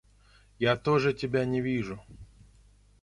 Я тоже тебя не вижу!..